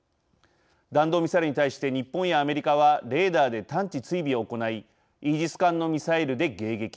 弾道ミサイルに対して日本やアメリカはレーダーで探知・追尾を行いイージス艦のミサイルで迎撃。